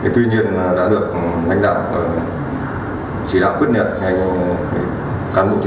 tuy nhiên đã được lãnh đạo chỉ đạo quyết niệm cán bộ chính trị tham gia tổng tác